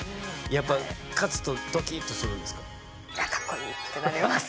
やっぱ勝つとドキッとするんですか？